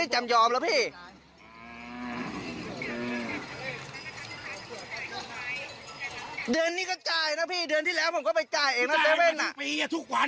จ่ายมาทุกปีทุกวัน